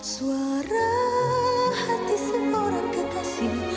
suara hati semua orang kekasih